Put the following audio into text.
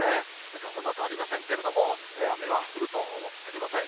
傘マークありませんけれども、雨は降ると思ってください。